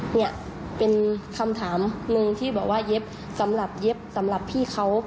เนี่ยเป็นคำถามหนึ่งที่บอกว่าเย็บสำหรับเย็บสำหรับพี่เขา